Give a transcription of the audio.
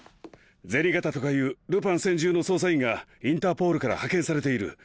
銭形とかいうルパン専従の捜査員がインターポールから派遣されている。